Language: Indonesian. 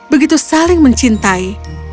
begitu saling mencintai